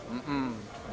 oh dari sepuluh